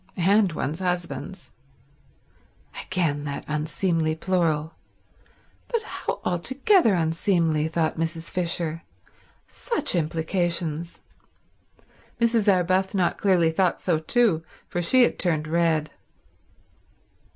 "And one's husbands." Again that unseemly plural. But how altogether unseemly, thought Mrs. Fisher. Such implications. Mrs. Arbuthnot clearly thought so too, for she had turned red.